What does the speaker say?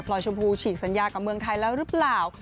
ชมพูฉีกสัญญากับเมืองไทยแล้วหรือเปล่า